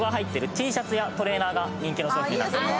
Ｔシャツやトレーナーが人気の商品になっています。